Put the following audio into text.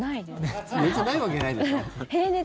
熱ないわけないでしょ。